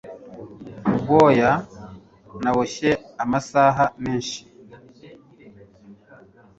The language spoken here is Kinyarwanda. Ubwoya naboshye amasaha menshi